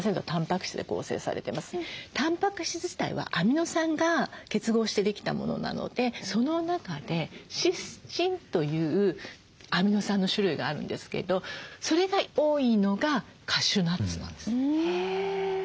たんぱく質自体はアミノ酸が結合してできたものなのでその中でシスチンというアミノ酸の種類があるんですけどそれが多いのがカシューナッツなんです。